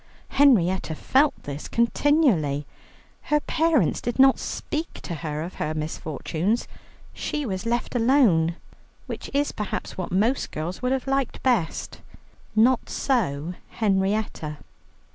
Henrietta felt this continually. Her parents did not speak to her of her misfortunes; she was left alone, which is perhaps what most girls would have liked best. Not so Henrietta.